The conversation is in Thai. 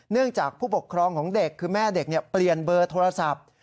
จากผู้ปกครองของเด็กคือแม่เด็กเปลี่ยนเบอร์โทรศัพท์